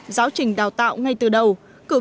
giáo truyền và tập trung vào doanh nghiệp